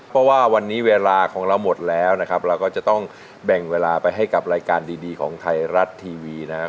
เพราะว่าวันนี้เวลาของเราหมดแล้วนะครับเราก็จะต้องแบ่งเวลาไปให้กับรายการดีของไทยรัฐทีวีนะครับ